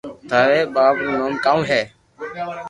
ٿاري ٻاپ رو نوم ڪاؤ ھي